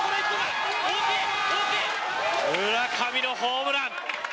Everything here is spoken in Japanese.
村上のホームラン！